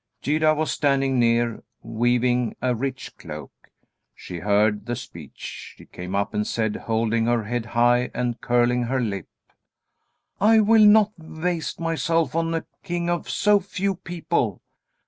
Gyda was standing near, weaving a rich cloak. She heard the speech. She came up and said, holding her head high and curling her lip: "I will not waste myself on a king of so few people.